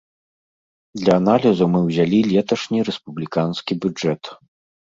Для аналізу мы ўзялі леташні рэспубліканскі бюджэт.